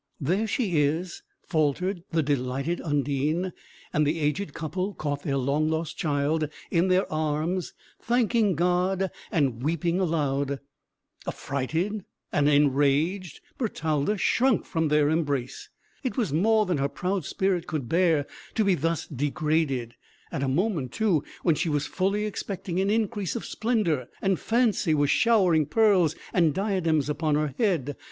"There she is," faltered the delighted Undine, and the aged couple caught their long lost child in their arms, thanking God, and weeping aloud. Affrighted and enraged, Bertalda shrank from their embrace. It was more than her proud spirit could bear, to be thus degraded; at a moment, too, when she was fully expecting an increase of splendour, and fancy was showering pearls and diadems upon her head.